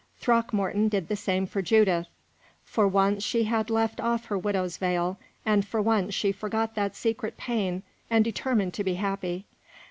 Throckmorton did the same for Judith. For once she had left off her widow's veil, and for once she forgot that secret pain and determined to be happy.